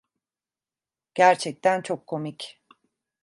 Gerçekten çok komik.